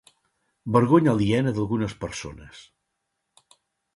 Vergonya aliena d'algunes persones